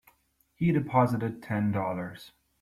He's deposited Ten Dollars.